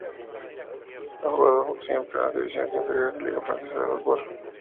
Ha jugado siempre en las divisiones inferiores de la Liga francesa de fútbol.